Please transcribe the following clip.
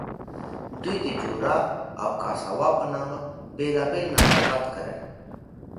دوی د جورا او کاساوا په نامه بېلابېل نباتات کرل.